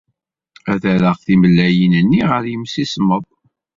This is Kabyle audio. Ad rreɣ timellalin-nni ɣer yimsismeḍ.